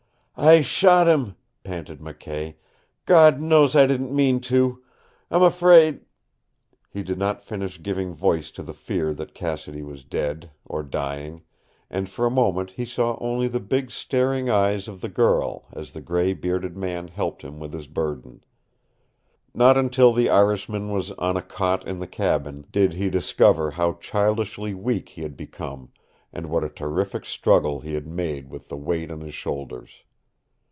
"I shot him," panted McKay. "God knows I didn't mean to! I'm afraid " He did not finish giving voice to the fear that Cassidy was dead or dying, and for a moment he saw only the big staring eyes of the girl as the gray bearded man helped him with his burden. Not until the Irishman was on a cot in the cabin did he discover how childishly weak he had become and what a terrific struggle he had made with the weight on his shoulders.